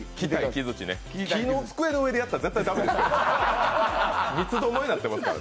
木の机の上でやったら絶対駄目ですよ。